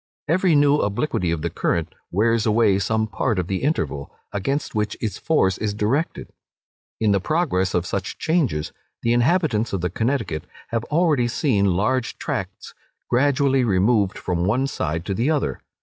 Every new obliquity of the current wears away some part of the Interval, against which its force is directed. In the progress of such changes, the inhabitants of the Connecticut have already seen large tracts gradually removed from one side to the other.